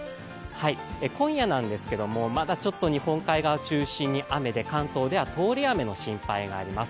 今夜なんですけれども、まだちょっと日本海側を中心に雨で関東では通り雨の心配があります。